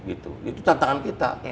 itu tantangan kita